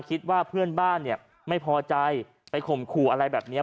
คิดว่าเพื่อนบ้านเนี่ยไม่พอใจไปข่มขู่อะไรแบบนี้